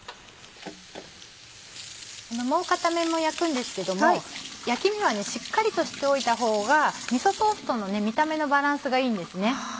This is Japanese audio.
もう片面も焼くんですけども焼き目はしっかりとしておいた方がみそソースとの見た目のバランスがいいんですね。